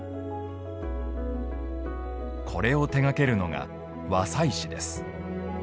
これを手がけるのが和裁士です。